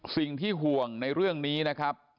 สิ่งที่ห่วงในเรื่องนี้นะครับ